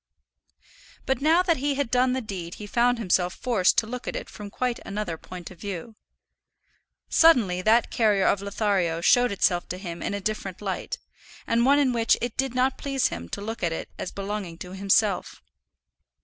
But now that he had done the deed he found himself forced to look at it from quite another point of view. Suddenly that character of Lothario showed itself to him in a different light, and one in which it did not please him to look at it as belonging to himself.